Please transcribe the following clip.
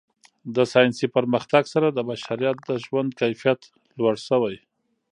د ساینسي پرمختګ سره د بشریت د ژوند کیفیت لوړ شوی.